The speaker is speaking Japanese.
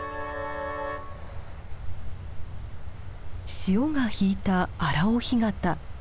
潮が引いた荒尾干潟。